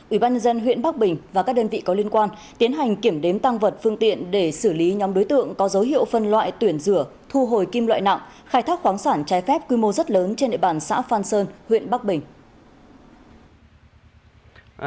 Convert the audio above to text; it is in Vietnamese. ubnd huyện bắc bình và các đơn vị có liên quan tiến hành kiểm đếm tăng vật phương tiện để xử lý nhóm đối tượng có dấu hiệu phân loại tuyển rửa thu hồi kim loại nặng khai thác khoáng sản trái phép quy mô rất lớn trên địa bàn xã phan sơn huyện bắc bình